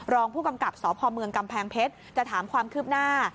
รองผู้กำกับสพเมืองกำแพงเพชรจะถามความคืบหน้า